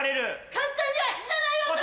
簡単には死なない男！